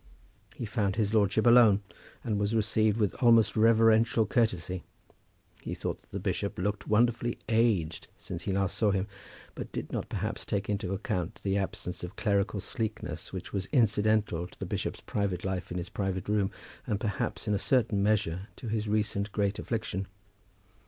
He found his lordship alone, and was received with almost reverential courtesy. He thought that the bishop was looking wonderfully aged since he last saw him, but did not perhaps take into account the absence of clerical sleekness which was incidental to the bishop's private life in his private room, and perhaps in a certain measure to his recent great affliction.